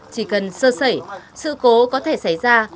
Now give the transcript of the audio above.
chỉ cần sơ sẩy sự cố có thể xảy ra